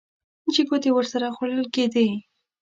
چې ګوتې ورسره خوړل کېدې.